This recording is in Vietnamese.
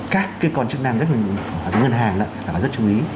các cái con chức năng ở ngân hàng là phải rất chú ý